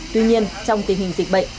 tuy nhiên trong tình hình dịch bệnh